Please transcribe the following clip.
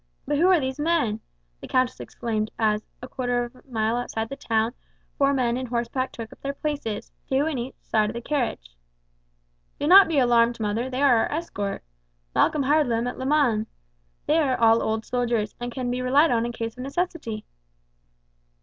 But who are these men?" the countess exclaimed, as, a quarter of a mile outside the town, four men on horseback took up their places, two on each side of the carriage. "Do not be alarmed, mother, they are our escort. Malcolm hired them at Le Mans. They are all old soldiers, and can be relied on in case of necessity."